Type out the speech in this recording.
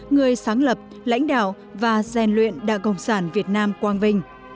người sáng lập lãnh đạo và rèn luyện đảng cộng sản việt nam quang vinh